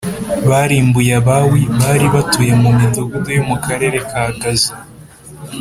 barimbuye Abawi bari batuye mu midugudu yo mu karere ka Gaza,